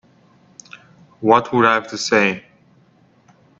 What would I have to say?